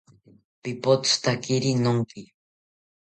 Pipothotakiri nonki